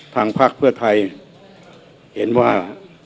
ทางพักเพื่อไทยเห็นว่า